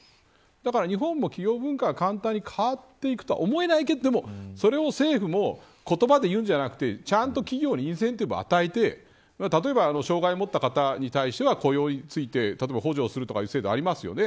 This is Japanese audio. だから日本も企業文化が簡単に変わっていくとは思えないけどでもそれを政府も言葉で言うんじゃなくてちゃんと企業にインセンティブを与えて例えば障害を持った方に対しては雇用について補助する制度がありますよね。